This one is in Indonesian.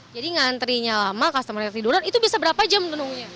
jadi ngantrinya lama customernya ketiduran itu bisa berapa jam menunggu